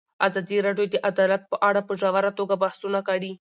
ازادي راډیو د عدالت په اړه په ژوره توګه بحثونه کړي.